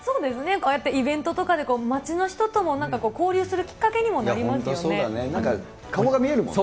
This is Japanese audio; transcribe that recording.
こうやってイベントとかで街の人ともなんか交流するきっかけにもなんか顔が見えるもんね。